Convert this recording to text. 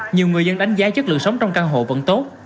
nhiều người dân đánh giá chất lượng sống trong căn hộ vẫn tốt